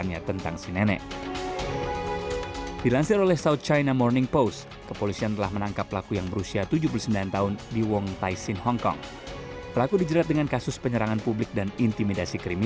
nenek tersebut meminta korban membeberkan apa saja yang sudah terjadi